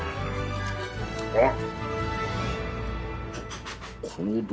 あっ。